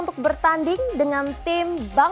eh santai tenang aja